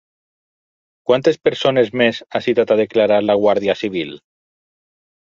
Quantes persones més ha citat a declarar la Guàrdia Civil?